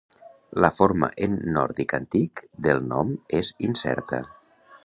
La forma en nòrdic antic del nom és incerta.